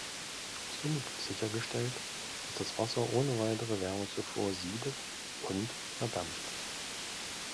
Somit wird sichergestellt, dass das Wasser ohne weitere Wärmezufuhr siedet und verdampft.